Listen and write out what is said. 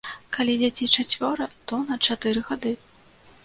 Калі дзяцей чацвёра, то на чатыры гады.